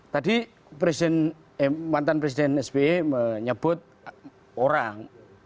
tadi mantan presiden sby menyebut orang